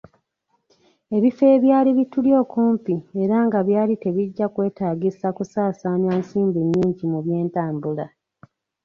Ebifo ebyali bituli okumpi era nga byali tebijja kutwetaagisa kusaasaanya nsimbi nnyingi mu by’entambula.